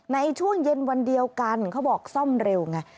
ในช่วงเย็นวันเดียวกันเขาบอกซ่อมเร็วไง